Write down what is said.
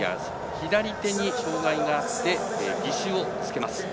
左手に障がいがあって義手をつけます。